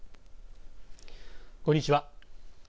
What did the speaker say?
こんにちは。